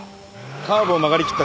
カーブを曲がりきった